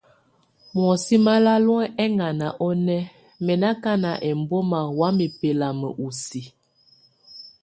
Muɔsɛ́ malal eŋan onɛ, mɛ nákan embɔ́mak wamɛ́ bɛlabɛnɛ usi.